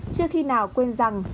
trước khi nào quên rằng